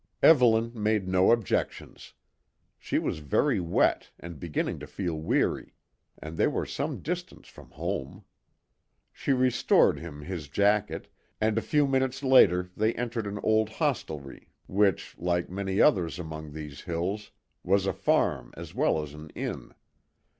Evelyn made no objections. She was very wet and beginning to feel weary, and they were some distance from home. She restored him his jacket, and a few minutes later they entered an old hostelry which, like many others among these hills, was a farm as well as an inn.